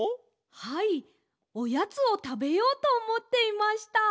はいおやつをたべようとおもっていました。